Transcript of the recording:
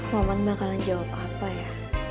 maman bakalan jawab apa ya